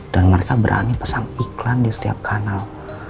dan mereka berani pesan iklan di setiap kanal